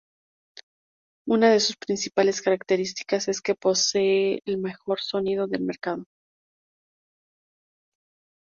Una de sus principales características es que posee el mejor sonido del mercado.